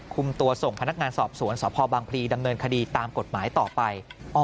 คุมตัวส่งพนักงานสอบสวนสพบางพลีดำเนินคดีตามกฎหมายต่อไป